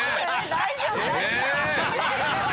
大丈夫？